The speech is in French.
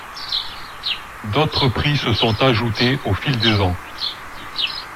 D'autres prix se sont ajoutés au fil des ans.